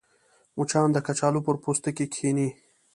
مچان د کچالو پر پوستکي کښېني